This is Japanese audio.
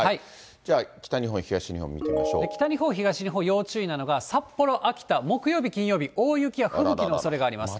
じゃあ、北日本、東日本見て北日本、東日本、要注意なのが、札幌、秋田、木曜日、金曜日、大雪や吹雪のおそれがあります。